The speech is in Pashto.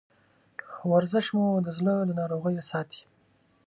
ورزش مو د زړه له ناروغیو ساتي.